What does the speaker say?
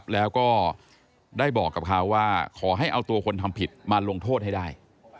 แล้วก็ได้บอกกับเขาว่าขอให้เอาตัวคนทำผิดมาลงโทษให้ได้